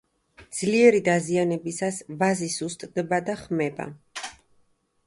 ძლიერი დაზიანებისას ვაზი სუსტდება და ხმება.